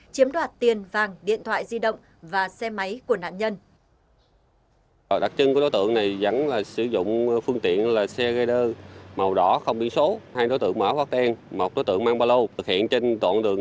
chiếm đoạt tiền vàng điện thoại di động và xe máy của nạn nhân